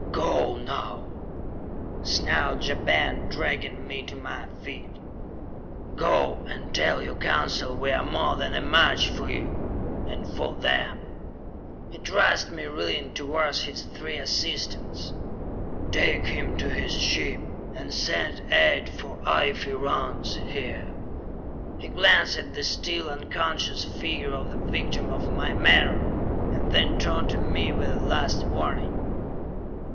"Go, now!" snarled Ja Ben, dragging me to my feet. "Go, and tell your Council we are more than a match for you and for them." He thrust me, reeling, towards his three assistants. "Take him to his ship, and send aid for Ife Rance, here." He glanced at the still unconscious figure of the victim of my menore, and then turned to me with a last warning.